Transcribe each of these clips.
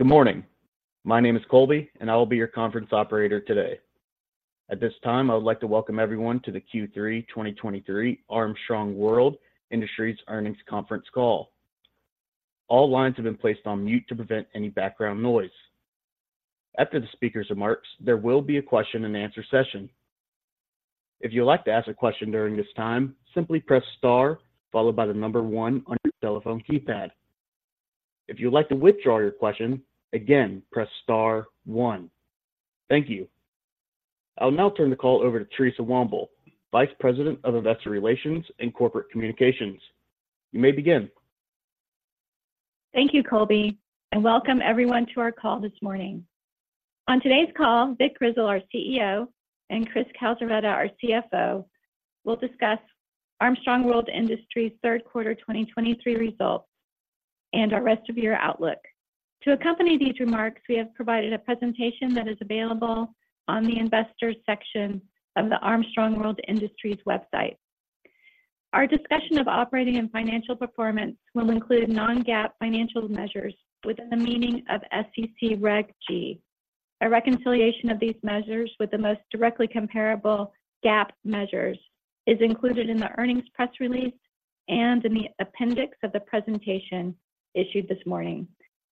Good morning. My name is Colby, and I will be your conference operator today. At this time, I would like to welcome everyone to the Q3 2023 Armstrong World Industries Earnings Conference Call. All lines have been placed on mute to prevent any background noise. After the speaker's remarks, there will be a question-and-answer session. If you'd like to ask a question during this time, simply press star followed by the number one on your telephone keypad. If you'd like to withdraw your question, again, press star one. Thank you. I'll now turn the call over to Theresa Womble, Vice President of Investor Relations and Corporate Communications. You may begin. Thank you, Colby, and welcome everyone to our call this morning. On today's call, Vic Grizzle, our CEO, and Chris Calzaretta, our CFO, will discuss Armstrong World Industries' third quarter 2023 results and our rest of year outlook. To accompany these remarks, we have provided a presentation that is available on the investors section of the Armstrong World Industries website. Our discussion of operating and financial performance will include non-GAAP financial measures within the meaning of SEC Reg G. A reconciliation of these measures with the most directly comparable GAAP measures is included in the earnings press release and in the appendix of the presentation issued this morning.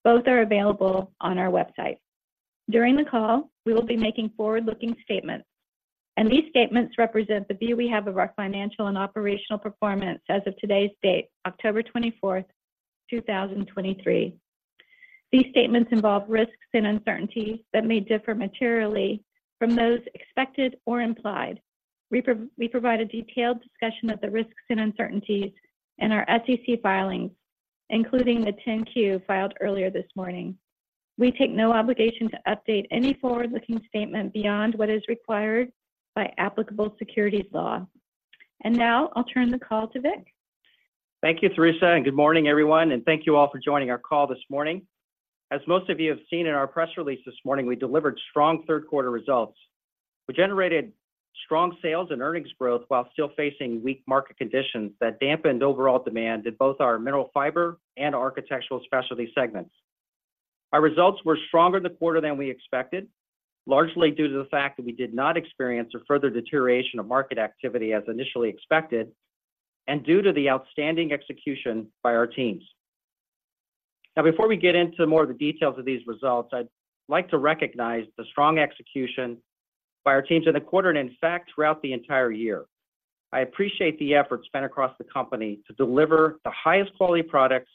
Both are available on our website. During the call, we will be making forward-looking statements, and these statements represent the view we have of our financial and operational performance as of today's date, October 24th, 2023. These statements involve risks and uncertainties that may differ materially from those expected or implied. We provide a detailed discussion of the risks and uncertainties in our SEC filings, including the 10-Q filed earlier this morning. We take no obligation to update any forward-looking statement beyond what is required by applicable securities law. Now I'll turn the call to Vic. Thank you, Theresa, and good morning, everyone, and thank you all for joining our call this morning. As most of you have seen in our press release this morning, we delivered strong third quarter results. We generated strong sales and earnings growth while still facing weak market conditions that dampened overall demand in both our Mineral Fiber and Architectural Specialties segments. Our results were stronger in the quarter than we expected, largely due to the fact that we did not experience a further deterioration of market activity as initially expected and due to the outstanding execution by our teams. Now, before we get into more of the details of these results, I'd like to recognize the strong execution by our teams in the quarter, and in fact, throughout the entire year. I appreciate the effort spent across the company to deliver the highest quality products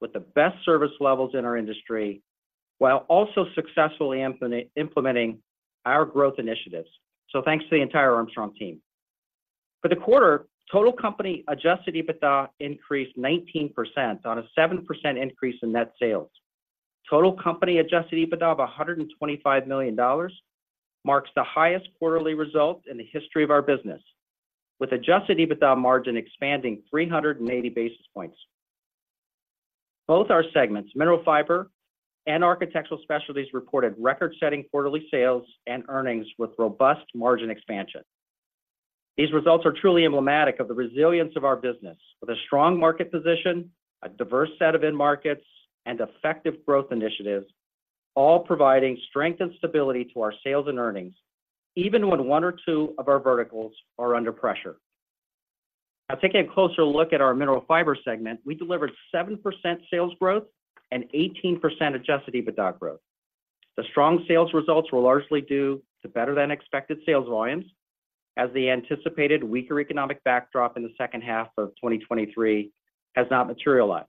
with the best service levels in our industry, while also successfully implementing our growth initiatives. So thanks to the entire Armstrong team. For the quarter, total company Adjusted EBITDA increased 19% on a 7% increase in net sales. Total company Adjusted EBITDA of $125 million marks the highest quarterly result in the history of our business, with Adjusted EBITDA margin expanding 380 basis points. Both our segments, Mineral Fiber and Architectural Specialties, reported record-setting quarterly sales and earnings with robust margin expansion. These results are truly emblematic of the resilience of our business, with a strong market position, a diverse set of end markets, and effective growth initiatives, all providing strength and stability to our sales and earnings, even when one or two of our verticals are under pressure. Now, taking a closer look at our Mineral Fiber segment, we delivered 7% sales growth and 18% Adjusted EBITDA growth. The strong sales results were largely due to better than expected sales volumes, as the anticipated weaker economic backdrop in the second half of 2023 has not materialized.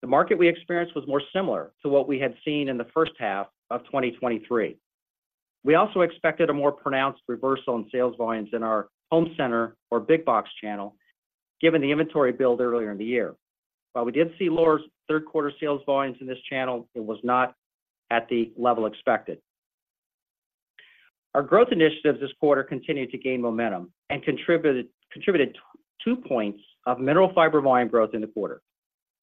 The market we experienced was more similar to what we had seen in the first half of 2023. We also expected a more pronounced reversal in sales volumes in our home center or big box channel, given the inventory build earlier in the year. While we did see lower third quarter sales volumes in this channel, it was not at the level expected. Our growth initiatives this quarter continued to gain momentum and contributed 2 points of Mineral Fiber volume growth in the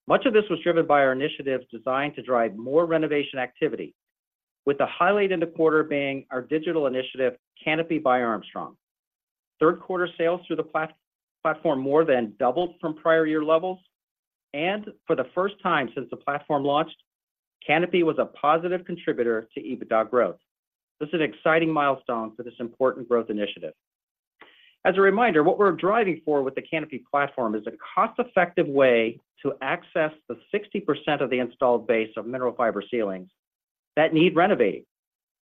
quarter. Much of this was driven by our initiatives designed to drive more renovation activity, with the highlight in the quarter being our digital initiative, Canopy by Armstrong. Third quarter sales through the platform more than doubled from prior year levels, and for the first time since the platform launched, Canopy was a positive contributor to EBITDA growth. This is an exciting milestone for this important growth initiative. As a reminder, what we're driving for with the Canopy platform is a cost-effective way to access the 60% of the installed base of mineral fiber ceilings that need renovating,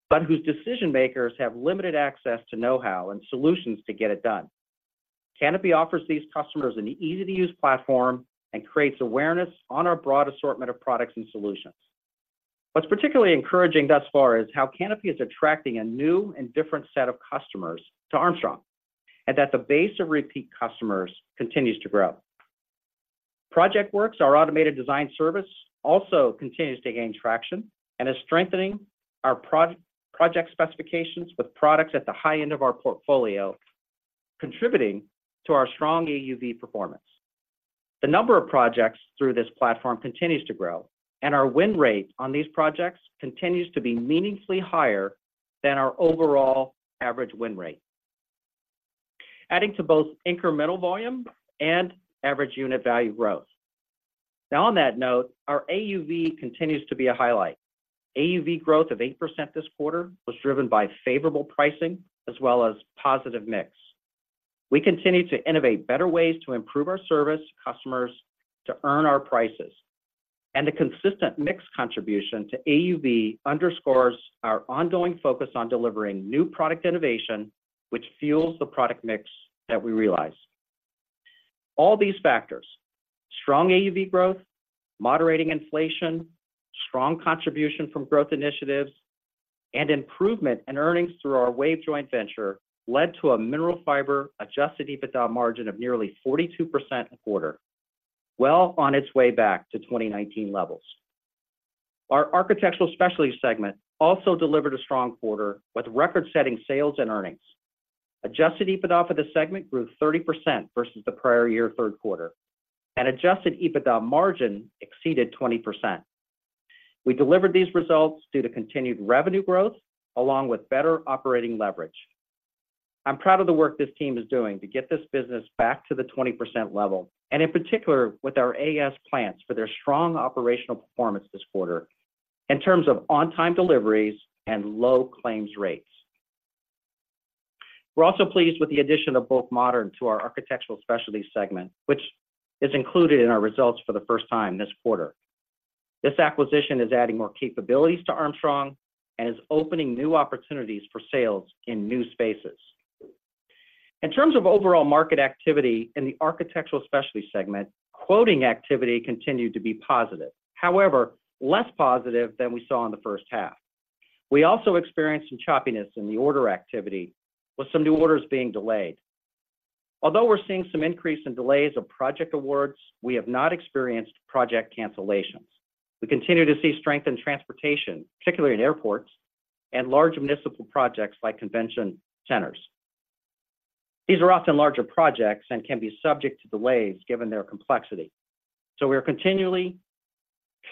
but whose decision makers have limited access to know-how and solutions to get it done. Canopy offers these customers an easy-to-use platform and creates awareness on our broad assortment of products and solutions. What's particularly encouraging thus far is how Canopy is attracting a new and different set of customers to Armstrong, and that the base of repeat customers continues to grow. PROJECTWORKS, our automated design service, also continues to gain traction and is strengthening our project specifications with products at the high end of our portfolio, contributing to our strong AUV performance. The number of projects through this platform continues to grow, and our win rate on these projects continues to be meaningfully higher than our overall average win rate. Adding to both incremental volume and average unit value growth. Now on that note, our AUV continues to be a highlight. AUV growth of 8% this quarter was driven by favorable pricing as well as positive mix. We continue to innovate better ways to improve our service customers to earn our prices, and the consistent mix contribution to AUV underscores our ongoing focus on delivering new product innovation, which fuels the product mix that we realize. All these factors: strong AUV growth, moderating inflation, strong contribution from growth initiatives, and improvement in earnings through our WAVE joint venture, led to a Mineral Fiber Adjusted EBITDA margin of nearly 42% quarter, well on its way back to 2019 levels. Our Architectural Specialties segment also delivered a strong quarter, with record-setting sales and earnings. Adjusted EBITDA for the segment grew 30% versus the prior year third quarter, and adjusted EBITDA margin exceeded 20%. We delivered these results due to continued revenue growth, along with better operating leverage. I'm proud of the work this team is doing to get this business back to the 20% level, and in particular, with our AS plants for their strong operational performance this quarter in terms of on-time deliveries and low claims rates. We're also pleased with the addition of BŌK Modern to our Architectural Specialties segment, which is included in our results for the first time this quarter. This acquisition is adding more capabilities to Armstrong and is opening new opportunities for sales in new spaces. In terms of overall market activity in the Architectural Specialties segment, quoting activity continued to be positive, however, less positive than we saw in the first half. We also experienced some choppiness in the order activity, with some new orders being delayed. Although we're seeing some increase in delays of project awards, we have not experienced project cancellations. We continue to see strength in transportation, particularly in airports and large municipal projects like convention centers. These are often larger projects and can be subject to delays given their complexity. So we are continually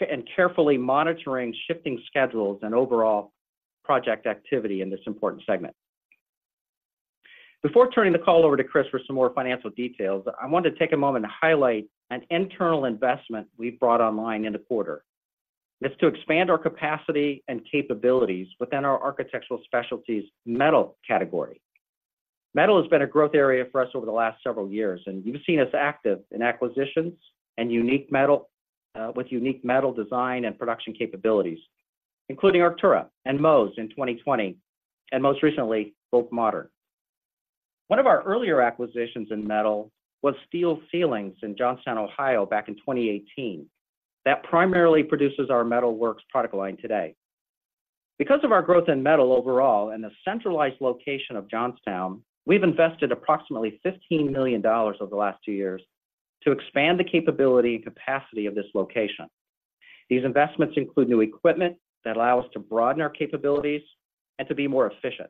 and carefully monitoring shifting schedules and overall project activity in this important segment. Before turning the call over to Chris for some more financial details, I wanted to take a moment to highlight an internal investment we've brought online in the quarter. It's to expand our capacity and capabilities within our architectural specialties metal category. Metal has been a growth area for us over the last several years, and you've seen us active in acquisitions and unique metal with unique metal design and production capabilities, including Arktura and Móz in 2020, and most recently, BŌK Modern. One of our earlier acquisitions in metal was Steel Ceilings in Johnstown, Ohio, back in 2018. That primarily produces our METALWORKS product line today. Because of our growth in metal overall and the centralized location of Johnstown, we've invested approximately $15 million over the last two years to expand the capability and capacity of this location. These investments include new equipment that allow us to broaden our capabilities and to be more efficient.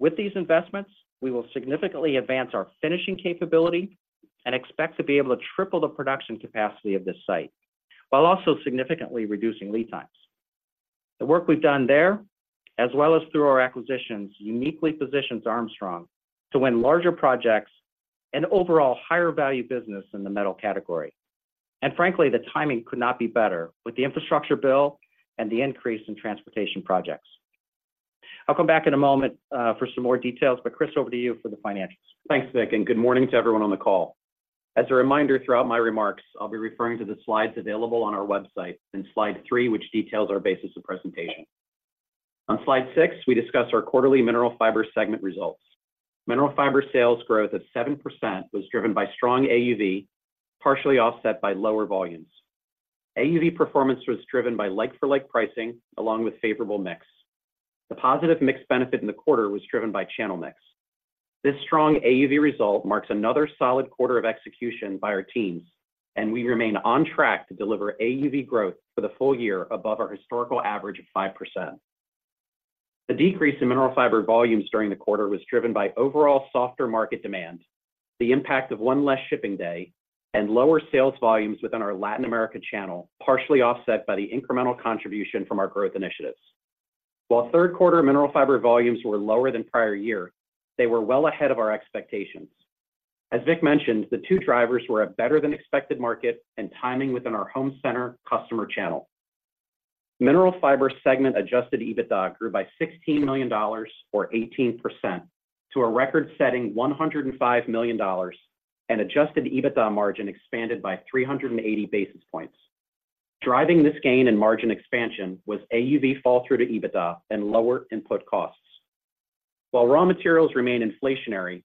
With these investments, we will significantly advance our finishing capability and expect to be able to triple the production capacity of this site, while also significantly reducing lead times. The work we've done there, as well as through our acquisitions, uniquely positions Armstrong to win larger projects and overall higher value business in the metal category. And frankly, the timing could not be better with the infrastructure bill and the increase in transportation projects. I'll come back in a moment, for some more details, but Chris, over to you for the financials. Thanks, Vic, and good morning to everyone on the call. As a reminder, throughout my remarks, I'll be referring to the slides available on our website in slide three, which details our basis of presentation. On slide six, we discuss our quarterly Mineral Fiber segment results. Mineral Fiber sales growth of 7% was driven by strong AUV, partially offset by lower volumes. AUV performance was driven by like-for-like pricing along with favorable mix. The positive mix benefit in the quarter was driven by channel mix. This strong AUV result marks another solid quarter of execution by our teams, and we remain on track to deliver AUV growth for the full year above our historical average of 5%. The decrease in Mineral Fiber volumes during the quarter was driven by overall softer market demand, the impact of one less shipping day, and lower sales volumes within our Latin America channel, partially offset by the incremental contribution from our growth initiatives. While third quarter Mineral Fiber volumes were lower than prior year, they were well ahead of our expectations. As Vic mentioned, the two drivers were a better than expected market and timing within our home center customer channel. Mineral Fiber segment Adjusted EBITDA grew by $16 million or 18% to a record-setting $105 million, and Adjusted EBITDA margin expanded by 380 basis points. Driving this gain in margin expansion was AUV fall through to EBITDA and lower input costs. While raw materials remain inflationary,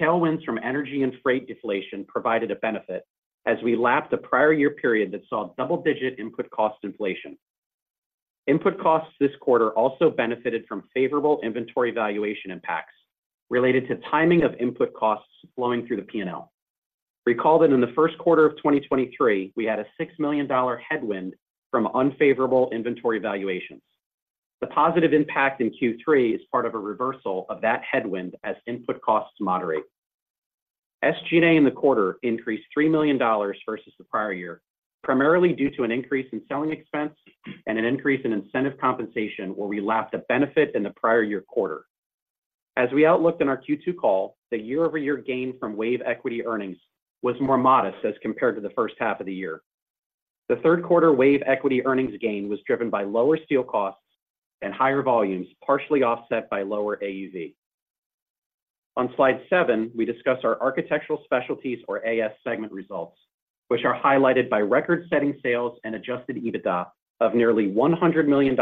tailwinds from energy and freight deflation provided a benefit as we lapped a prior year period that saw double-digit input cost inflation. Input costs this quarter also benefited from favorable inventory valuation impacts related to timing of input costs flowing through the P&L. Recall that in the first quarter of 2023, we had a $6 million headwind from unfavorable inventory valuations. The positive impact in Q3 is part of a reversal of that headwind as input costs moderate. SG&A in the quarter increased $3 million versus the prior year, primarily due to an increase in selling expense and an increase in incentive compensation, where we lacked a benefit in the prior year quarter. As we outlooked in our Q2 call, the year-over-year gain from WAVE equity earnings was more modest as compared to the first half of the year. The third quarter WAVE equity earnings gain was driven by lower steel costs and higher volumes, partially offset by lower AUV. On slide seven, we discuss our Architectural Specialties or AS segment results, which are highlighted by record-setting sales and adjusted EBITDA of nearly $100 million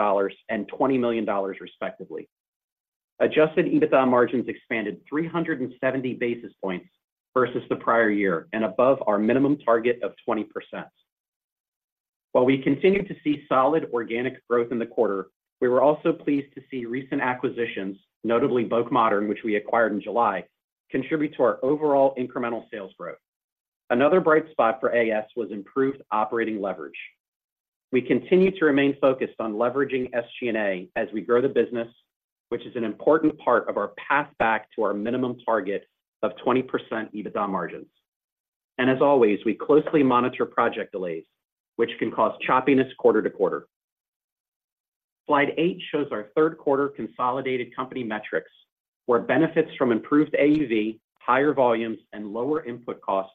and $20 million respectively. Adjusted EBITDA margins expanded 370 basis points versus the prior year and above our minimum target of 20%. While we continued to see solid organic growth in the quarter, we were also pleased to see recent acquisitions, notably BŌK Modern, which we acquired in July, contribute to our overall incremental sales growth. Another bright spot for AS was improved operating leverage. We continue to remain focused on leveraging SG&A as we grow the business, which is an important part of our path back to our minimum target of 20% EBITDA margins. As always, we closely monitor project delays, which can cause choppiness quarter-to-quarter. Slide eight shows our third quarter consolidated company metrics, where benefits from improved AUV, higher volumes, and lower input costs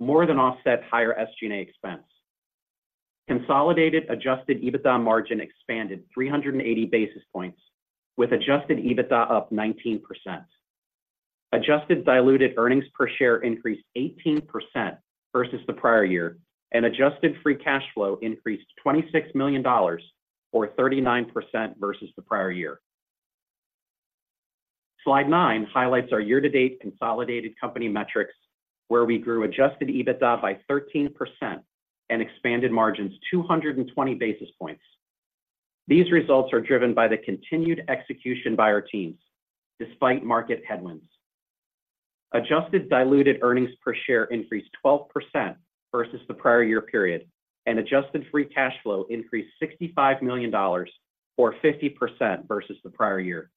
more than offset higher SG&A expense. Consolidated adjusted EBITDA margin expanded 380 basis points, with adjusted EBITDA up 19%. Adjusted diluted earnings per share increased 18% versus the prior year, and adjusted free cash flow increased $26 million or 39% versus the prior year. Slide nine highlights our year-to-date consolidated company metrics, where we grew adjusted EBITDA by 13% and expanded margins 220 basis points. These results are driven by the continued execution by our teams despite market headwinds. Adjusted diluted earnings per share increased 12% versus the prior year period, and adjusted free cash flow increased $65 million or 50% versus the prior year.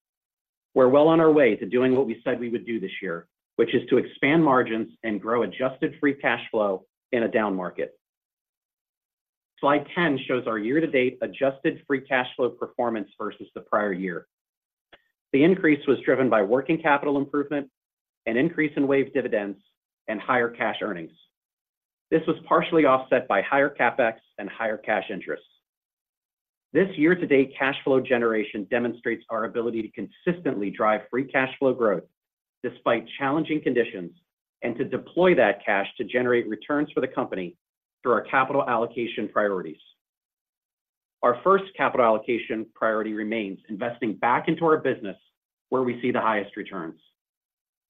We're well on our way to doing what we said we would do this year, which is to expand margins and grow adjusted free cash flow in a down market. Slide 10 shows our year-to-date adjusted free cash flow performance versus the prior year. The increase was driven by working capital improvement, an increase in WAVE dividends, and higher cash earnings. This was partially offset by higher CapEx and higher cash interests. This year-to-date cash flow generation demonstrates our ability to consistently drive free cash flow growth despite challenging conditions, and to deploy that cash to generate returns for the company through our capital allocation priorities. Our first capital allocation priority remains investing back into our business where we see the highest returns.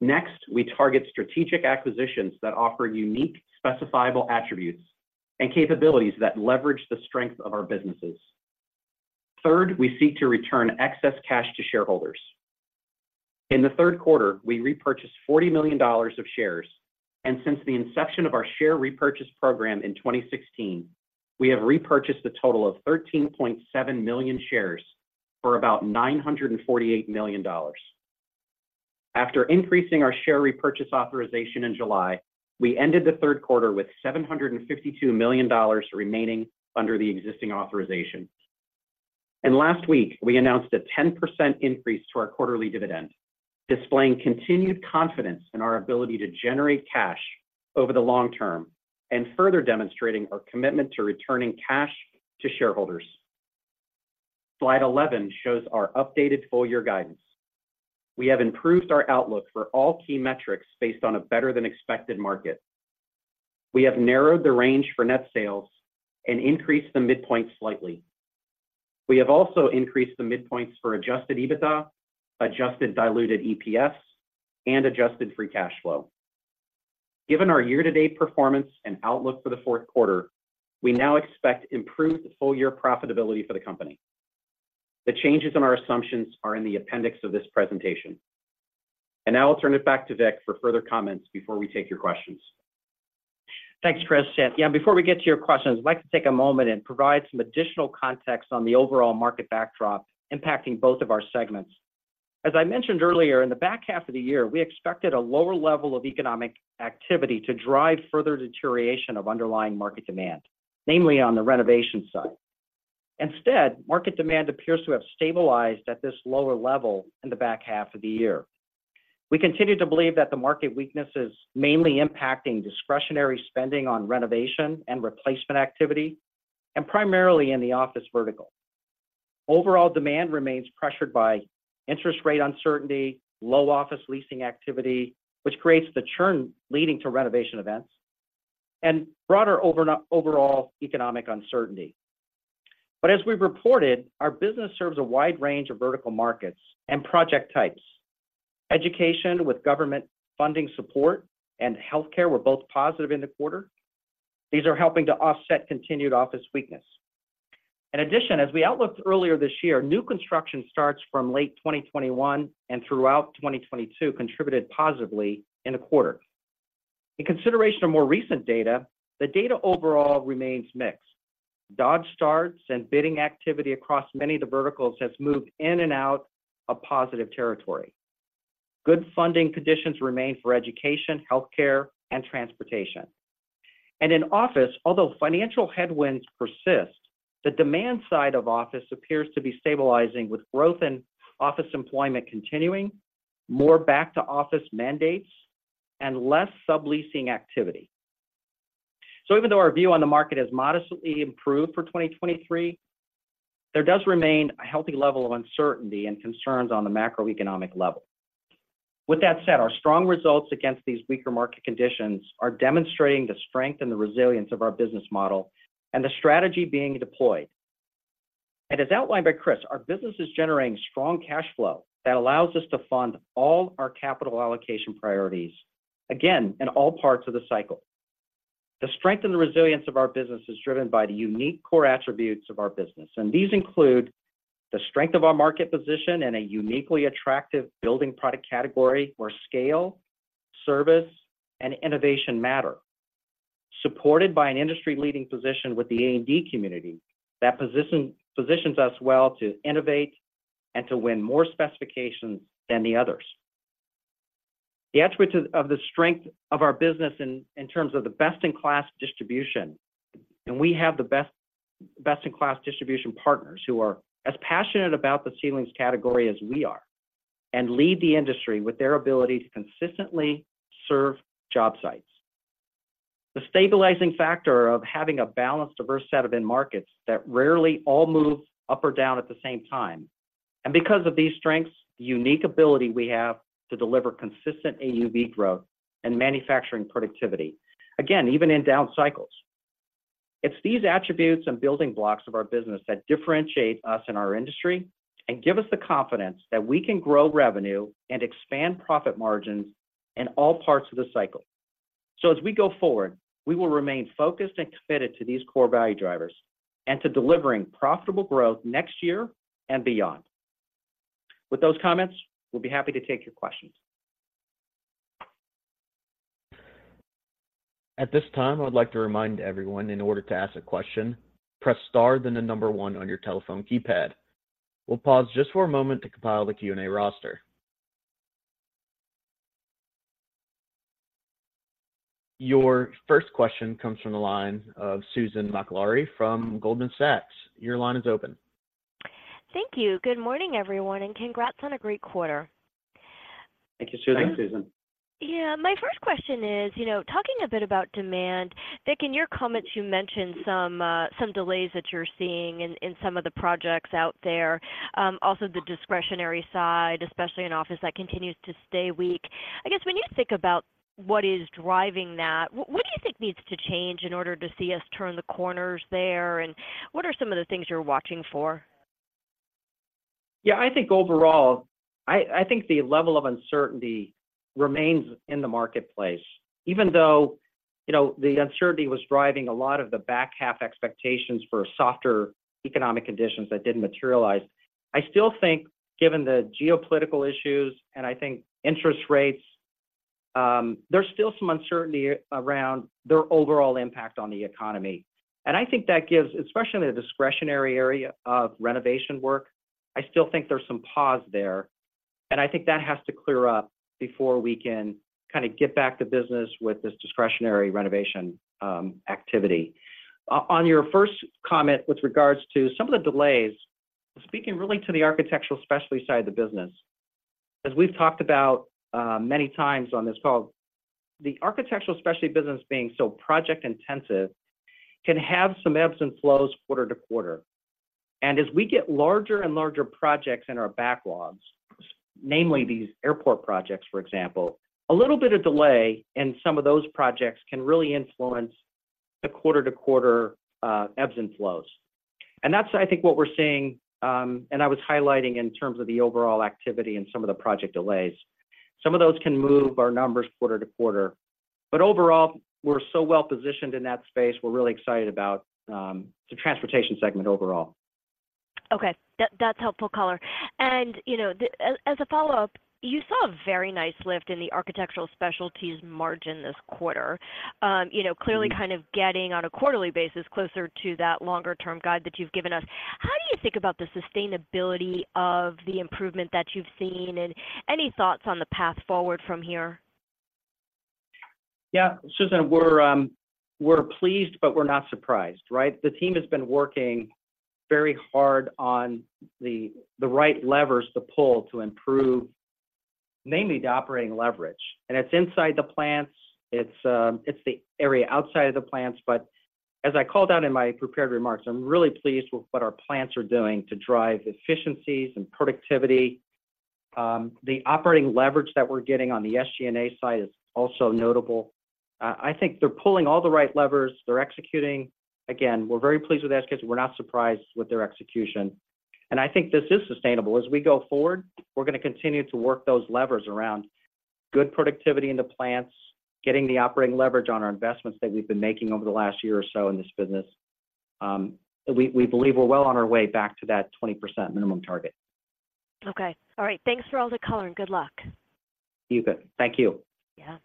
Next, we target strategic acquisitions that offer unique, specifiable attributes and capabilities that leverage the strength of our businesses. Third, we seek to return excess cash to shareholders. In the third quarter, we repurchased $40 million of shares, and since the inception of our share repurchase program in 2016, we have repurchased a total of 13.7 million shares for about $948 million. After increasing our share repurchase authorization in July, we ended the third quarter with $752 million remaining under the existing authorization. And last week, we announced a 10% increase to our quarterly dividend, displaying continued confidence in our ability to generate cash over the long term and further demonstrating our commitment to returning cash to shareholders. Slide 11 shows our updated full year guidance. We have improved our outlook for all key metrics based on a better than expected market. We have narrowed the range for net sales and increased the midpoint slightly. We have also increased the midpoints for Adjusted EBITDA, adjusted diluted EPS, and adjusted free cash flow. Given our year-to-date performance and outlook for the fourth quarter, we now expect improved full year profitability for the company. The changes in our assumptions are in the appendix of this presentation. And now I'll turn it back to Vic for further comments before we take your questions. Thanks, Chris. Yeah, before we get to your questions, I'd like to take a moment and provide some additional context on the overall market backdrop impacting both of our segments. As I mentioned earlier, in the back half of the year, we expected a lower level of economic activity to drive further deterioration of underlying market demand, mainly on the renovation side. Instead, market demand appears to have stabilized at this lower level in the back half of the year. We continue to believe that the market weakness is mainly impacting discretionary spending on renovation and replacement activity, and primarily in the office vertical. Overall demand remains pressured by interest rate uncertainty, low office leasing activity, which creates the churn leading to renovation events, and broader overall economic uncertainty. But as we've reported, our business serves a wide range of vertical markets and project types. Education with government funding support and healthcare were both positive in the quarter. These are helping to offset continued office weakness. In addition, as we outlooked earlier this year, new construction starts from late 2021 and throughout 2022 contributed positively in the quarter. In consideration of more recent data, the data overall remains mixed. Dodge starts and bidding activity across many of the verticals has moved in and out of positive territory. Good funding conditions remain for education, healthcare, and transportation. And in office, although financial headwinds persist, the demand side of office appears to be stabilizing, with growth in office employment continuing, more back to office mandates, and less subleasing activity. So even though our view on the market has modestly improved for 2023, there does remain a healthy level of uncertainty and concerns on the macroeconomic level. With that said, our strong results against these weaker market conditions are demonstrating the strength and the resilience of our business model and the strategy being deployed. And as outlined by Chris, our business is generating strong cash flow that allows us to fund all our capital allocation priorities, again, in all parts of the cycle. The strength and the resilience of our business is driven by the unique core attributes of our business, and these include the strength of our market position and a uniquely attractive building product category, where scale, service, and innovation matter. Supported by an industry-leading position with the A&D community, positions us well to innovate and to win more specifications than the others. The attributes of the strength of our business in terms of the best-in-class distribution, and we have the best-in-class distribution partners who are as passionate about the ceilings category as we are, and lead the industry with their ability to consistently serve job sites. The stabilizing factor of having a balanced, diverse set of end markets that rarely all move up or down at the same time. Because of these strengths, the unique ability we have to deliver consistent AUV growth and manufacturing productivity, again, even in down cycles. It's these attributes and building blocks of our business that differentiate us in our industry and give us the confidence that we can grow revenue and expand profit margins in all parts of the cycle. So as we go forward, we will remain focused and committed to these core value drivers and to delivering profitable growth next year and beyond. With those comments, we'll be happy to take your questions. At this time, I would like to remind everyone, in order to ask a question, press star, then the number one on your telephone keypad. We'll pause just for a moment to compile the Q&A roster. Your first question comes from the line of Susan Maklari from Goldman Sachs. Your line is open. Thank you. Good morning, everyone, and congrats on a great quarter. Thank you, Susan. Thanks, Susan. Yeah. My first question is, you know, talking a bit about demand, Vic, in your comments, you mentioned some delays that you're seeing in some of the projects out there. Also the discretionary side, especially in office, that continues to stay weak. I guess when you think about what is driving that, what do you think needs to change in order to see us turn the corners there? And what are some of the things you're watching for? Yeah, I think overall, I think the level of uncertainty remains in the marketplace. Even though, you know, the uncertainty was driving a lot of the back half expectations for softer economic conditions that didn't materialize, I still think, given the geopolitical issues and I think interest rates, there's still some uncertainty around their overall impact on the economy. And I think that gives, especially in the discretionary area of renovation work, I still think there's some pause there, and I think that has to clear up before we can kind of get back to business with this discretionary renovation activity. On your first comment with regards to some of the delays, speaking really to the Architectural Specialties side of the business, as we've talked about many times on this call, the Architectural Specialties business being so project-intensive, can have some ebbs and flows quarter to quarter. And as we get larger and larger projects in our backlogs, namely these airport projects, for example, a little bit of delay in some of those projects can really influence the quarter-to-quarter ebbs and flows. And that's, I think, what we're seeing, and I was highlighting in terms of the overall activity and some of the project delays. Some of those can move our numbers quarter to quarter. But overall, we're so well positioned in that space. We're really excited about the transportation segment overall. Okay. That's helpful color. You know, as a follow-up, you saw a very nice lift in the Architectural Specialties margin this quarter. You know— Mm-hmm... clearly kind of getting, on a quarterly basis, closer to that longer-term guide that you've given us. How do you think about the sustainability of the improvement that you've seen? And any thoughts on the path forward from here? Yeah, Susan, we're pleased, but we're not surprised, right? The team has been working very hard on the right levers to pull to improve, mainly the operating leverage. And it's inside the plants, it's the area outside of the plants. But as I called out in my prepared remarks, I'm really pleased with what our plants are doing to drive efficiencies and productivity. The operating leverage that we're getting on the SG&A side is also notable. I think they're pulling all the right levers. They're executing. Again, we're very pleased with that because we're not surprised with their execution. And I think this is sustainable. As we go forward, we're going to continue to work those levers around. Good productivity in the plants, getting the operating leverage on our investments that we've been making over the last year or so in this business. We believe we're well on our way back to that 20% minimum target. Okay. All right. Thanks for all the color, and good luck. You bet. Thank you. Yeah. ...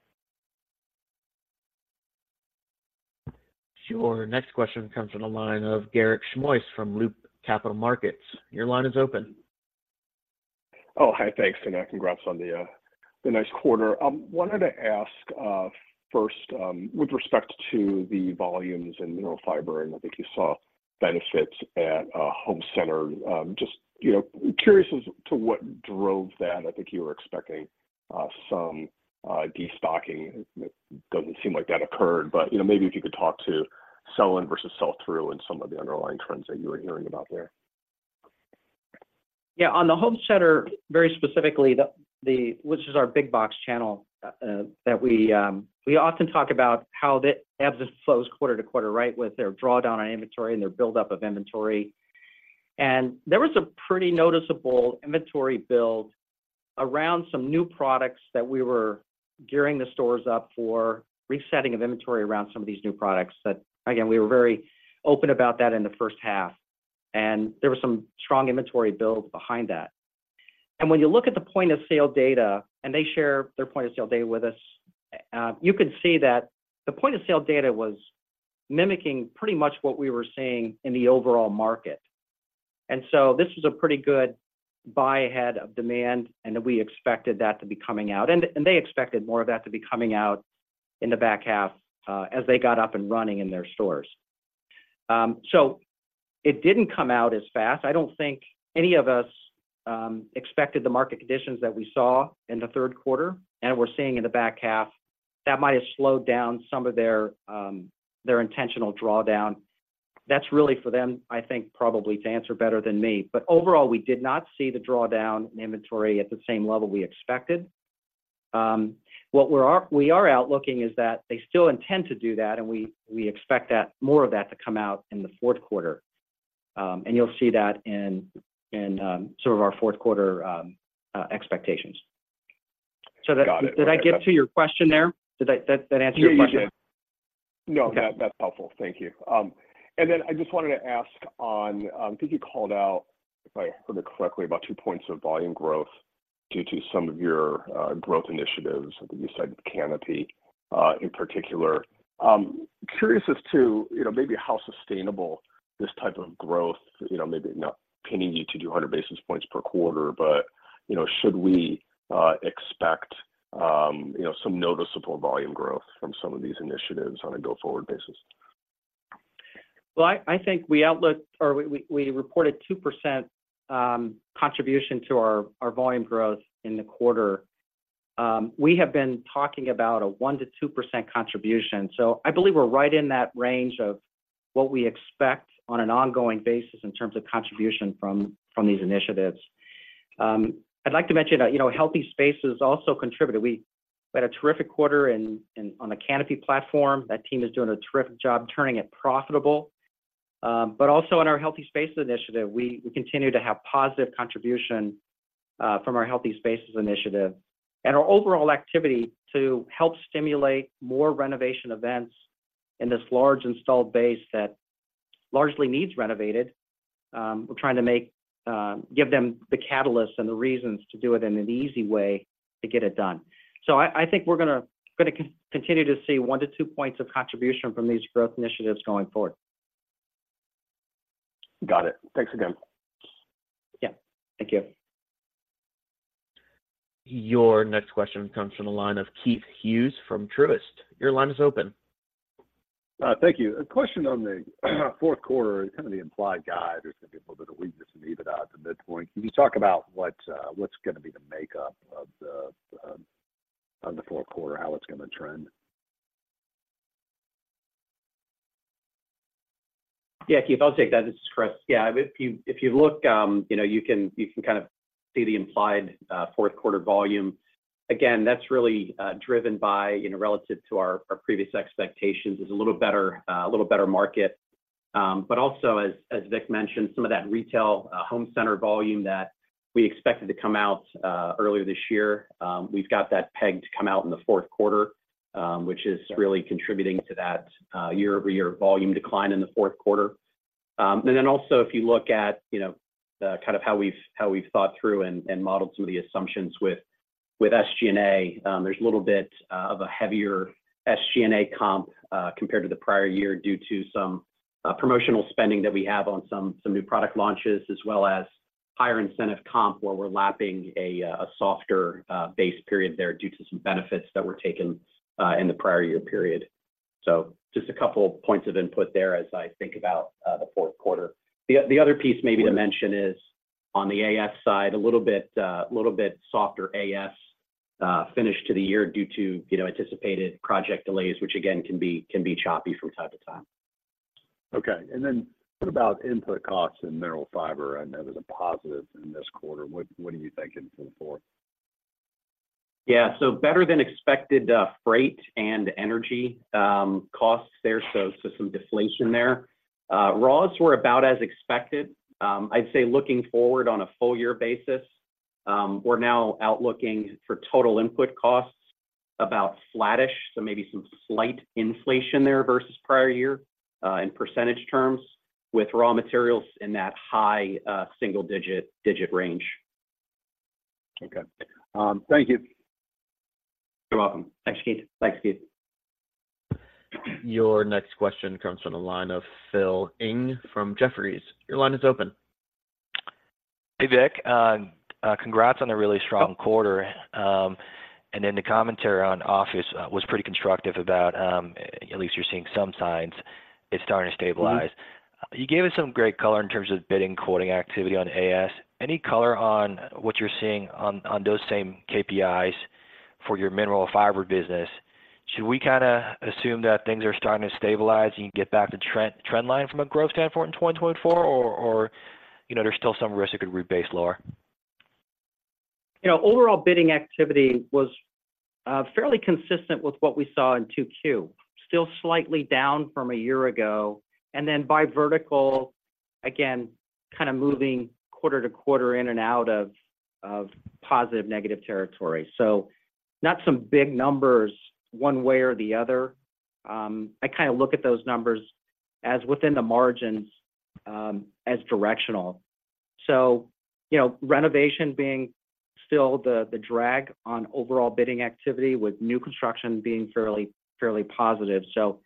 Your next question comes from the line of Garik Shmois from Loop Capital Markets. Your line is open. Oh, hi. Thanks, and congrats on the nice quarter. Wanted to ask first with respect to the volumes in Mineral Fiber, and I think you saw benefits at Home Center. Just, you know, curious as to what drove that. I think you were expecting some destocking. It doesn't seem like that occurred, but, you know, maybe if you could talk to sell-in versus sell-through and some of the underlying trends that you were hearing about there. Yeah, on the home center, very specifically, the, which is our big box channel, that we often talk about how the ebbs and flows quarter to quarter, right? With their drawdown on inventory and their buildup of inventory. And there was a pretty noticeable inventory build around some new products that we were gearing the stores up for resetting of inventory around some of these new products, that, again, we were very open about that in the first half, and there were some strong inventory builds behind that. And when you look at the point-of-sale data, and they share their point-of-sale data with us, you can see that the point-of-sale data was mimicking pretty much what we were seeing in the overall market. And so this is a pretty good buy ahead of demand, and that we expected that to be coming out. And they expected more of that to be coming out in the back half, as they got up and running in their stores. So it didn't come out as fast. I don't think any of us expected the market conditions that we saw in the third quarter, and we're seeing in the back half, that might have slowed down some of their intentional drawdown. That's really for them, I think, probably to answer better than me. But overall, we did not see the drawdown in inventory at the same level we expected. What we're outlooking is that they still intend to do that, and we expect that... more of that to come out in the fourth quarter. And you'll see that in some of our fourth quarter expectations. Got it. So did I get to your question there? Did that answer your question? Yeah. No, that, that's helpful. Thank you. And then I just wanted to ask on, I think you called out, if I heard it correctly, about two points of volume growth due to some of your growth initiatives, I think you said Canopy in particular. Curious as to, you know, maybe how sustainable this type of growth, you know, maybe not pinning you to 200 basis points per quarter, but, you know, should we expect, you know, some noticeable volume growth from some of these initiatives on a go-forward basis? Well, I think we outlook or we reported 2% contribution to our volume growth in the quarter. We have been talking about a 1%-2% contribution, so I believe we're right in that range of what we expect on an ongoing basis in terms of contribution from these initiatives. I'd like to mention that, you know, Healthy Spaces also contributed. We had a terrific quarter on the Canopy platform. That team is doing a terrific job turning it profitable. But also in our Healthy Spaces initiative, we continue to have positive contribution from our Healthy Spaces initiative. Our overall activity to help stimulate more renovation events in this large installed base that largely needs renovated, we're trying to make, give them the catalyst and the reasons to do it in an easy way to get it done. So I think we're gonna continue to see 1-2 points of contribution from these growth initiatives going forward. Got it. Thanks again. Yeah. Thank you. Your next question comes from the line of Keith Hughes from Truist. Your line is open. Thank you. A question on the fourth quarter and kind of the implied guide. There's gonna be a little bit of weakness in EBITDA at the midpoint. Can you talk about what, what's gonna be the makeup of the, of the fourth quarter, how it's gonna trend? Yeah, Keith, I'll take that. This is Chris. Yeah, if you look, you know, you can kind of see the implied fourth quarter volume. Again, that's really driven by, you know, relative to our previous expectations. It's a little better market. But also, as Vic mentioned, some of that retail home center volume that we expected to come out earlier this year, we've got that pegged to come out in the fourth quarter, which is really contributing to that year-over-year volume decline in the fourth quarter. And then also, if you look at, you know, the kind of how we've thought through and modeled some of the assumptions with SG&A, there's a little bit of a heavier SG&A comp compared to the prior year due to some promotional spending that we have on some new product launches, as well as higher incentive comp, where we're lapping a softer base period there due to some benefits that were taken in the prior year period. So just a couple of points of input there as I think about the fourth quarter. The other piece maybe to mention is on the AS side, a little bit softer AS finish to the year due to, you know, anticipated project delays, which again can be choppy from time to time. Okay. And then what about input costs in Mineral Fiber? I know there's a positive in this quarter. What, what are you thinking going forward? Yeah, so better than expected, freight and energy costs there, so some deflation there. Raws were about as expected. I'd say looking forward on a full year basis, we're now outlooking for total input costs about flattish, so maybe some slight inflation there versus prior year, in percentage terms, with raw materials in that high single digit range.... Okay. Thank you. You're welcome. Thanks, Keith. Thanks, Keith. Your next question comes from the line of Phil Ng from Jefferies. Your line is open. Hey, Vic. Congrats on a really strong quarter. And then the commentary on office was pretty constructive about, at least you're seeing some signs it's starting to stabilize. Mm-hmm. You gave us some great color in terms of bidding, quoting activity on AS. Any color on what you're seeing on, on those same KPIs for your Mineral Fiber business? Should we kinda assume that things are starting to stabilize, and you get back to trend, trend line from a growth standpoint in 2024? Or, or, you know, there's still some risk it could rebase lower? You know, overall bidding activity was fairly consistent with what we saw in 2Q. Still slightly down from a year ago, and then by vertical, again, kind of moving quarter to quarter in and out of positive, negative territory. So not some big numbers one way or the other. I kinda look at those numbers as within the margins as directional. So, you know, renovation being still the drag on overall bidding activity, with new construction being fairly positive. So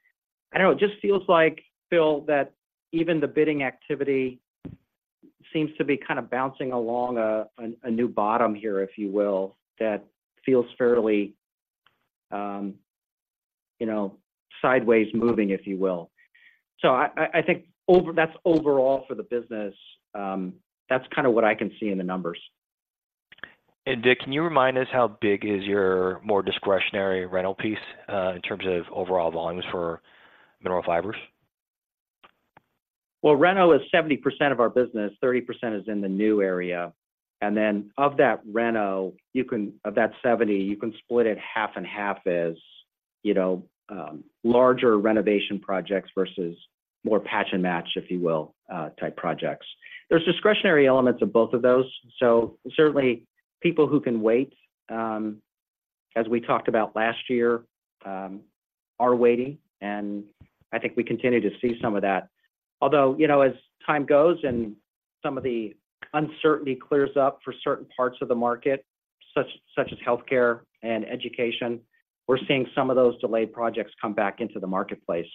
I don't know, it just feels like, Phil, that even the bidding activity seems to be kind of bouncing along a new bottom here, if you will, that feels fairly, you know, sideways moving, if you will. So I think that's overall for the business. That's kind of what I can see in the numbers. Vic, can you remind us how big is your more discretionary reno piece, in terms of overall volumes for mineral fibers? Well, reno is 70% of our business, 30% is in the new area. And then of that reno, you can-- of that 70, you can split it 50/50 as, you know, larger renovation projects versus more patch and match, if you will, type projects. There's discretionary elements of both of those, so certainly people who can wait, as we talked about last year, are waiting, and I think we continue to see some of that. Although, you know, as time goes and some of the uncertainty clears up for certain parts of the market, such as healthcare and education, we're seeing some of those delayed projects come back into the marketplace.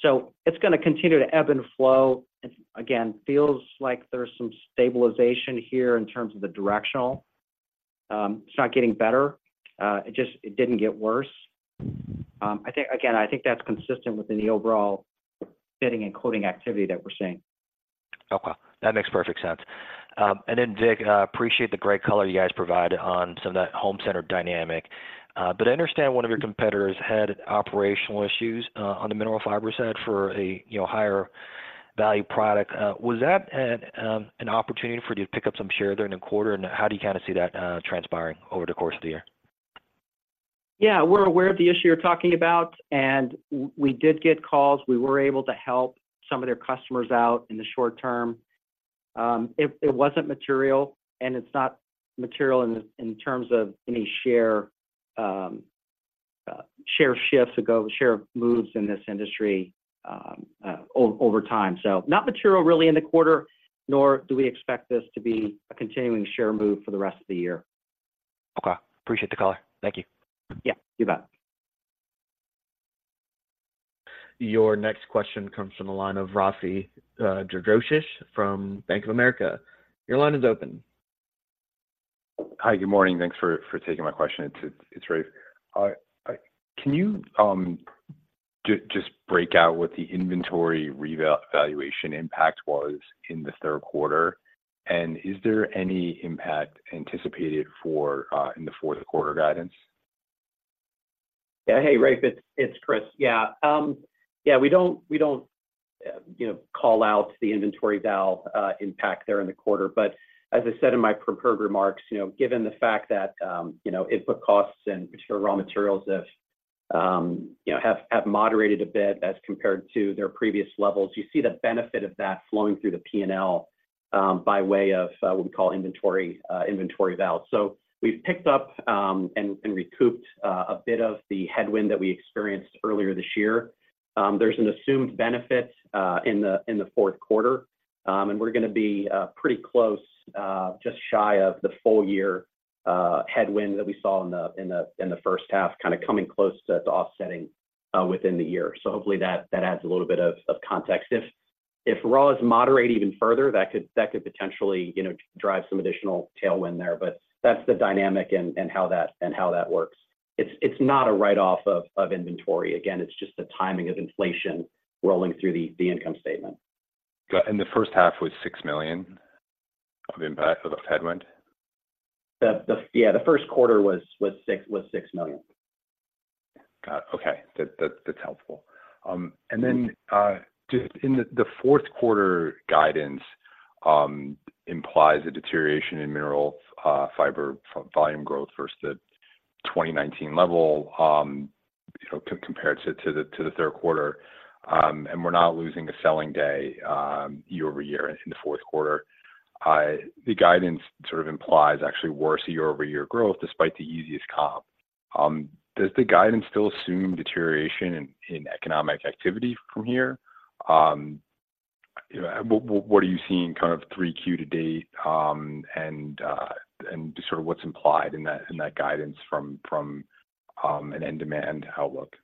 So it's gonna continue to ebb and flow. And again, feels like there's some stabilization here in terms of the directional. It's not getting better, it just didn't get worse. I think... Again, I think that's consistent within the overall bidding and quoting activity that we're seeing. Okay, that makes perfect sense. And then Vic, appreciate the great color you guys provided on some of that home center dynamic. But I understand one of your competitors had operational issues, on the mineral fiber side for a, you know, higher value product. Was that, an opportunity for you to pick up some share during the quarter? And how do you kinda see that, transpiring over the course of the year? Yeah, we're aware of the issue you're talking about, and we did get calls. We were able to help some of their customers out in the short term. It wasn't material, and it's not material in terms of any share share shifts or go share moves in this industry over time. So not material really in the quarter, nor do we expect this to be a continuing share move for the rest of the year. Okay. Appreciate the color. Thank you. Yeah, you bet. Your next question comes from the line of Rafe Jadrosich from Bank of America. Your line is open. Hi, good morning. Thanks for taking my question. It's Rafe. Can you just break out what the inventory revaluation impact was in the third quarter? And is there any impact anticipated in the fourth quarter guidance? Yeah. Hey, Rafe. It's Chris. Yeah, we don't you know call out the inventory val impact there in the quarter. But as I said in my prepared remarks, you know, given the fact that you know input costs and raw materials have you know have moderated a bit as compared to their previous levels, you see the benefit of that flowing through the P&L by way of what we call inventory inventory val. So we've picked up and recouped a bit of the headwind that we experienced earlier this year. There's an assumed benefit in the fourth quarter. And we're gonna be pretty close, just shy of the full year headwind that we saw in the first half, kind of coming close to offsetting within the year. So hopefully that adds a little bit of context. If raws moderate even further, that could potentially, you know, drive some additional tailwind there, but that's the dynamic and how that works. It's not a write-off of inventory. Again, it's just the timing of inflation rolling through the income statement. Got it. The first half was $6 million of impact of the headwind? Yeah, the first quarter was $6 million. Got it. Okay. That, that's helpful. And then, just in the fourth quarter guidance implies a deterioration in mineral fiber volume growth versus the 2019 level, you know, compared to the third quarter. And we're not losing a selling day year-over-year in the fourth quarter. The guidance sort of implies actually worse year-over-year growth, despite the easiest comp. Does the guidance still assume deterioration in economic activity from here?... what are you seeing kind of 3Q to date, and just sort of what's implied in that guidance from an end demand outlook?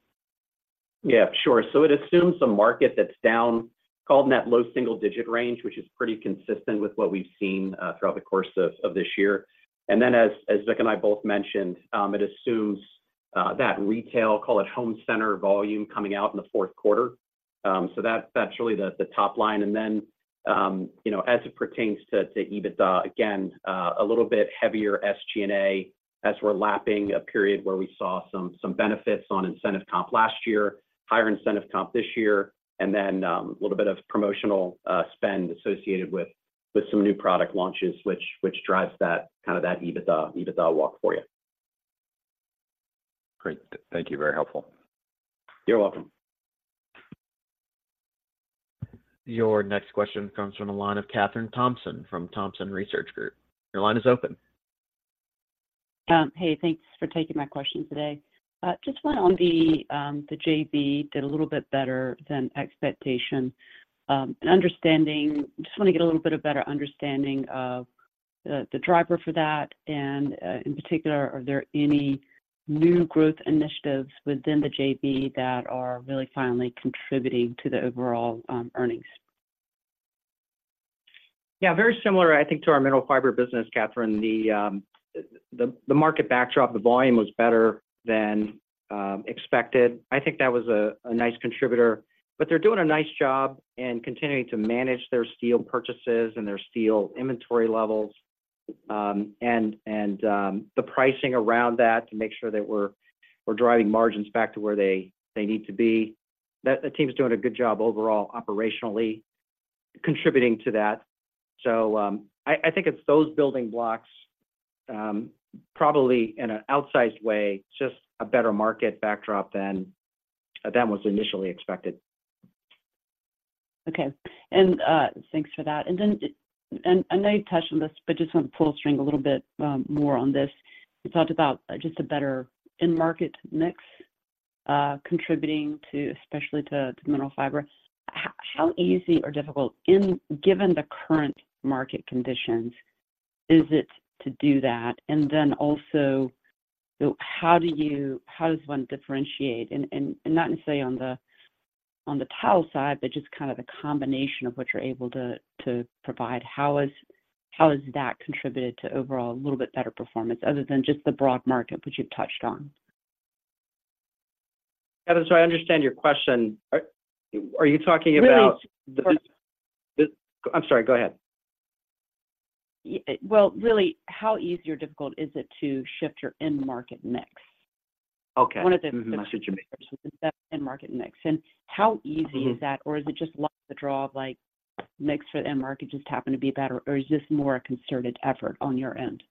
Yeah, sure. So it assumes a market that's down, called in that low single-digit range, which is pretty consistent with what we've seen throughout the course of this year. And then as Vic and I both mentioned, it assumes that retail, call it home center volume, coming out in the fourth quarter. So that's really the top line. And then, you know, as it pertains to EBITDA, again, a little bit heavier SG&A as we're lapping a period where we saw some benefits on incentive comp last year, higher incentive comp this year, and then a little bit of promotional spend associated with some new product launches, which drives that kind of EBITDA walk for you. Great. Thank you, very helpful. You're welcome. Your next question comes from the line of Kathryn Thompson from Thompson Research Group. Your line is open. Hey, thanks for taking my question today. Just one on the JV did a little bit better than expectation. Just wanna get a little bit better understanding of the driver for that, and in particular, are there any new growth initiatives within the JV that are really finally contributing to the overall earnings? Yeah, very similar, I think, to our Mineral Fiber business, Kathryn. The market backdrop, the volume was better than expected. I think that was a nice contributor, but they're doing a nice job in continuing to manage their steel purchases and their steel inventory levels, and the pricing around that to make sure that we're driving margins back to where they need to be. That. The team's doing a good job overall operationally, contributing to that. So, I think it's those building blocks, probably in an outsized way, just a better market backdrop than was initially expected. Okay. And thanks for that. And then, and I know you touched on this, but just wanna pull the string a little bit more on this. You talked about just a better end market mix contributing to, especially to Mineral Fiber. How easy or difficult, given the current market conditions, is it to do that? And then also, so how do you—how does one differentiate? And not necessarily on the tile side, but just kind of the combination of what you're able to provide. How has that contributed to overall a little bit better performance, other than just the broad market, which you've touched on? Kathryn, so I understand your question. Are, are you talking about- Really- I'm sorry, go ahead. Yeah, well, really, how easy or difficult is it to shift your end market mix? Okay. One of the- Understood you. End market mix. How easy is that? Or is it just luck of the draw, like, mix for the end market just happened to be better, or is this more a concerted effort on your end?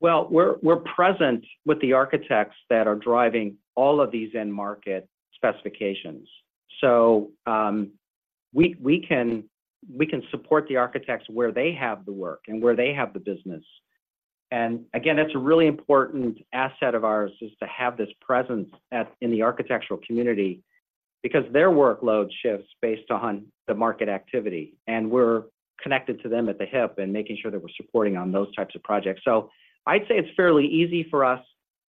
Well, we're present with the architects that are driving all of these end market specifications. So, we can support the architects where they have the work and where they have the business. And again, that's a really important asset of ours, is to have this presence in the architectural community, because their workload shifts based on the market activity, and we're connected to them at the hip and making sure that we're supporting on those types of projects. So I'd say it's fairly easy for us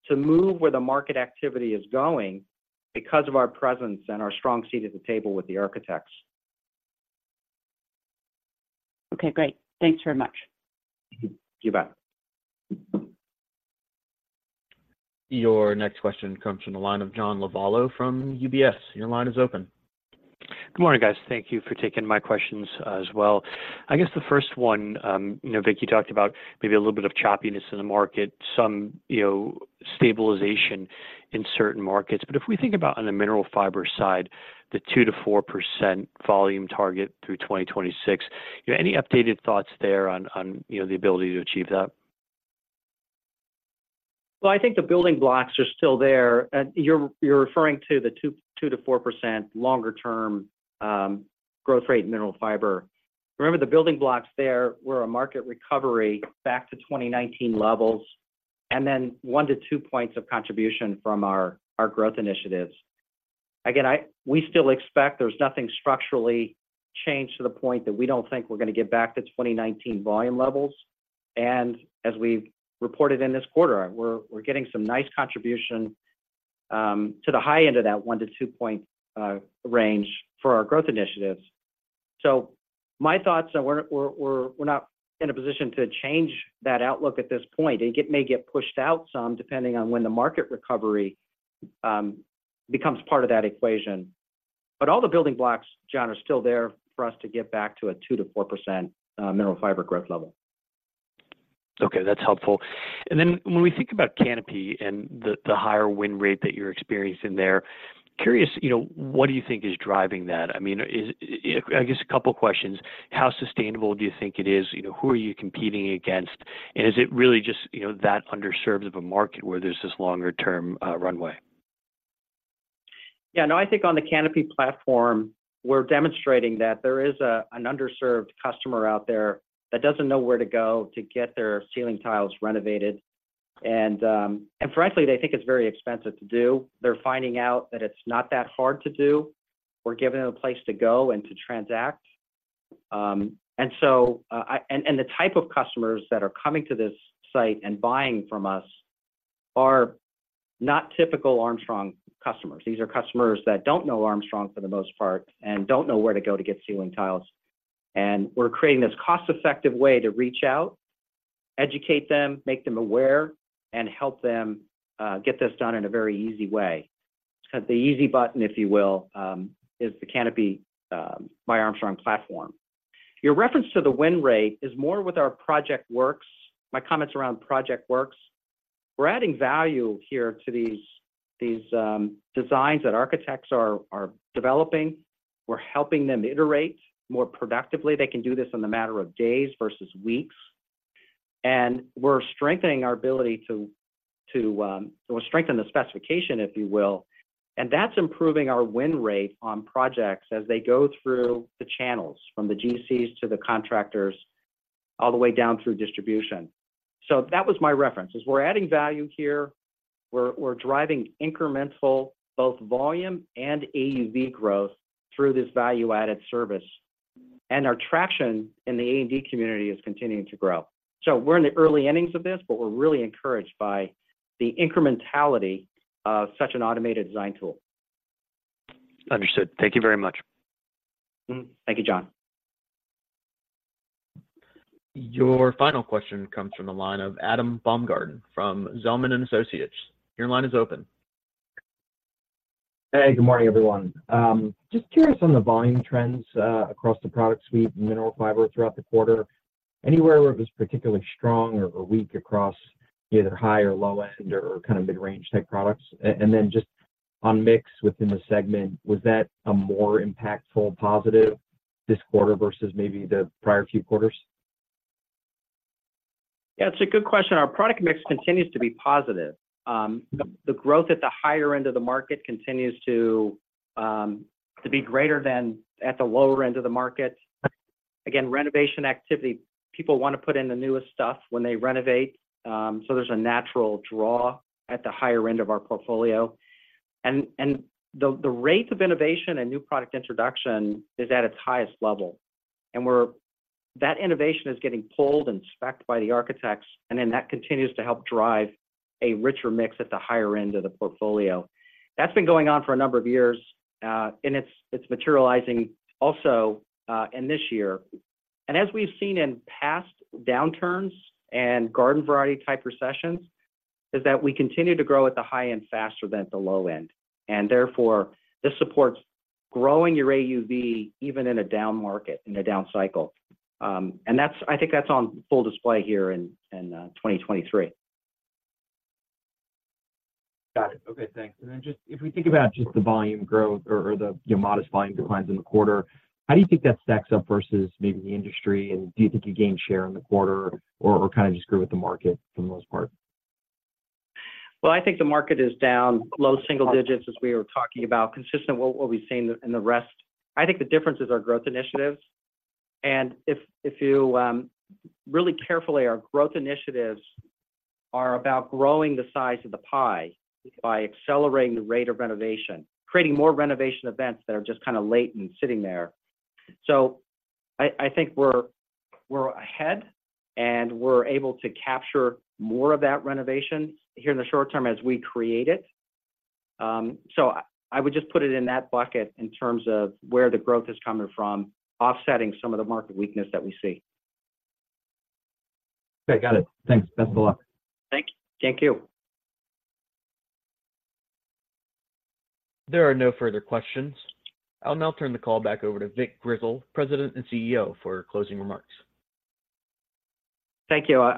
to move where the market activity is going because of our presence and our strong seat at the table with the architects. Okay, great. Thanks very much. You bet. Your next question comes from the line of John Lovallo from UBS. Your line is open. Good morning, guys. Thank you for taking my questions as well. I guess the first one, you know, Vic, you talked about maybe a little bit of choppiness in the market, some, you know, stabilization in certain markets. But if we think about on the mineral fiber side, the 2%-4% volume target through 2026, any updated thoughts there on, you know, the ability to achieve that? Well, I think the building blocks are still there. And you're referring to the 2%-4% longer term growth rate in Mineral Fiber. Remember, the building blocks there were a market recovery back to 2019 levels, and then 1-2 points of contribution from our growth initiatives. Again, we still expect there's nothing structurally changed to the point that we don't think we're gonna get back to 2019 volume levels. And as we've reported in this quarter, we're not in a position to change that outlook at this point. It may get pushed out some, depending on when the market recovery becomes part of that equation. But all the building blocks, John, are still there for us to get back to a 2%-4% Mineral Fiber growth level. Okay, that's helpful. And then when we think about Canopy and the higher win rate that you're experiencing there, curious, you know, what do you think is driving that? I mean, I guess a couple questions: How sustainable do you think it is? You know, who are you competing against, and is it really just, you know, that underserved of a market where there's this longer-term runway? Yeah, no, I think on the Canopy platform, we're demonstrating that there is an underserved customer out there that doesn't know where to go to get their ceiling tiles renovated... Frankly, they think it's very expensive to do. They're finding out that it's not that hard to do. We're giving them a place to go and to transact. The type of customers that are coming to this site and buying from us are not typical Armstrong customers. These are customers that don't know Armstrong for the most part, and don't know where to go to get ceiling tiles. We're creating this cost-effective way to reach out, educate them, make them aware, and help them get this done in a very easy way. The easy button, if you will, is the Canopy by Armstrong platform. Your reference to the win rate is more with our PROJECTWORKS. My comments around PROJECTWORKS. We're adding value here to these, these, designs that architects are, are developing. We're helping them iterate more productively. They can do this in a matter of days versus weeks. And we're strengthening our ability to, to... We're strengthening the specification, if you will, and that's improving our win rate on projects as they go through the channels, from the GCs to the contractors, all the way down through distribution. So that was my reference, is we're adding value here. We're, we're driving incremental, both volume and AUV growth through this value-added service. And our traction in the A&D community is continuing to grow. So we're in the early innings of this, but we're really encouraged by the incrementality of such an automated design tool. Understood. Thank you very much. Mm-hmm. Thank you, John. Your final question comes from the line of Adam Baumgarten from Zelman & Associates. Your line is open. Hey, good morning, everyone. Just curious on the volume trends, across the product suite, Mineral Fiber throughout the quarter. Anywhere where it was particularly strong or weak across either high or low end or kind of mid-range type products? And then just on mix within the segment, was that a more impactful positive this quarter versus maybe the prior few quarters? Yeah, it's a good question. Our product mix continues to be positive. The growth at the higher end of the market continues to be greater than at the lower end of the market. Again, renovation activity, people wanna put in the newest stuff when they renovate, so there's a natural draw at the higher end of our portfolio. And the rate of innovation and new product introduction is at its highest level. That innovation is getting pulled and specced by the architects, and then that continues to help drive a richer mix at the higher end of the portfolio. That's been going on for a number of years, and it's materializing also in this year. As we've seen in past downturns and garden variety type recessions, is that we continue to grow at the high end faster than at the low end, and therefore, this supports growing your AUV, even in a down market, in a down cycle. And that's. I think that's on full display here in 2023. Got it. Okay, thanks. And then just, if we think about just the volume growth or, or the, you know, modest volume declines in the quarter, how do you think that stacks up versus maybe the industry? And do you think you gained share in the quarter or, or kind of just grew with the market for the most part? Well, I think the market is down, low single digits, as we were talking about, consistent with what we've seen in the rest. I think the difference is our growth initiatives. And if, if you really carefully, our growth initiatives are about growing the size of the pie by accelerating the rate of renovation, creating more renovation events that are just kind of latent sitting there. So I, I think we're, we're ahead, and we're able to capture more of that renovation here in the short term as we create it. So I would just put it in that bucket in terms of where the growth is coming from, offsetting some of the market weakness that we see. Okay, got it. Thanks. Best of luck. Thank you. Thank you. There are no further questions. I'll now turn the call back over to Vic Grizzle, President and CEO, for closing remarks. Thank you.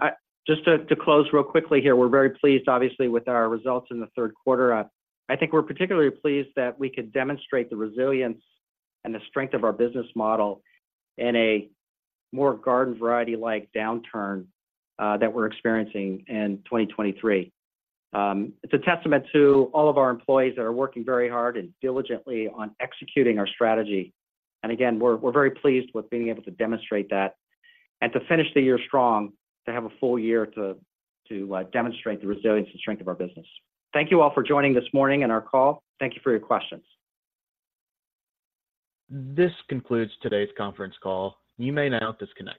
Just to close real quickly here, we're very pleased, obviously, with our results in the third quarter. I think we're particularly pleased that we could demonstrate the resilience and the strength of our business model in a more garden variety-like downturn that we're experiencing in 2023. It's a testament to all of our employees that are working very hard and diligently on executing our strategy. And again, we're very pleased with being able to demonstrate that and to finish the year strong, to have a full year to demonstrate the resilience and strength of our business. Thank you all for joining this morning in our call. Thank you for your questions. This concludes today's conference call. You may now disconnect.